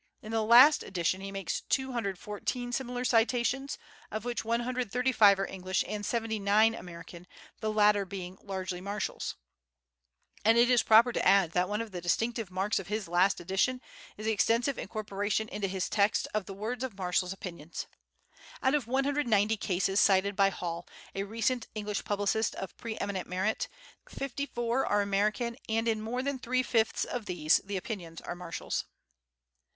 In the last edition he makes 214 similar citations, of which 135 are English and 79 American, the latter being largely Marshall's; and it is proper to add that one of the distinctive marks of his last edition is the extensive incorporation into his text of the words of Marshall's opinions. Out of 190 cases cited by Hall, a recent English publicist of pre eminent merit, 54 are American, and in more than three fifths of these the opinions are Marshall's.